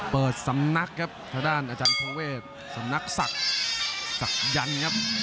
เปิดสำนักครับทางด้านอาจารย์ทอเวศสำนักศักดิ์ศักยันต์ครับ